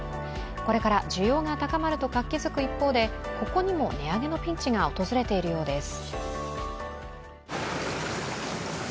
これから需要が高まると活気づく一方でここにも値上げのピンチが訪れているようです。